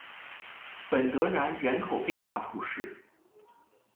本德然人口变化图示